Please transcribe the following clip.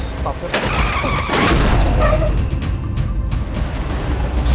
astagfirullahaladzim ya allah